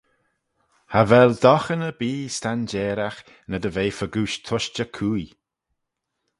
Cha vel doghan erbee s'dangeyragh na dy ve fegooish tushtey cooie.